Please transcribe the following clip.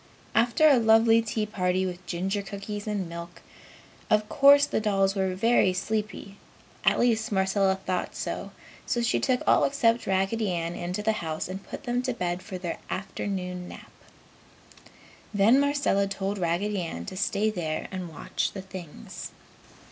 After a lovely tea party with ginger cookies and milk, of course the dolls were very sleepy, at least Marcella thought so, so she took all except Raggedy Ann into the house and put them to bed for the afternoon nap. Then Marcella told Raggedy Ann to stay there and watch the things.